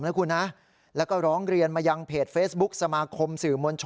นะคุณนะแล้วก็ร้องเรียนมายังเพจเฟซบุ๊กสมาคมสื่อมวลชน